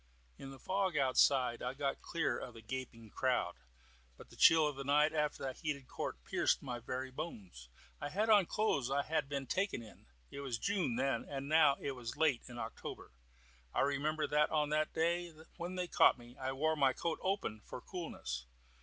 In the fog outside I got clear of the gaping crowd, but the chill of the night after that heated court pierced my very bones. I had on the clothes I had been taken in. It was June then, and now it was late in October. I remember that on the day when they caught me I wore my coat open for coolness.